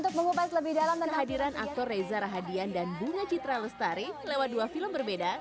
kehadiran aktor reza rahadian dan bunga citra lestari lewat dua film berbeda